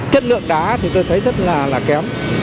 chất lượng đá thì tôi thấy rất là kém